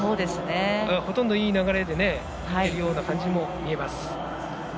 ほとんどいい流れでいくような感じも見えます。